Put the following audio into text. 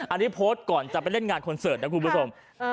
อันนี้โพสต์ก่อนจะไปเล่นงานคอนเสิร์ตนะคุณผู้ชม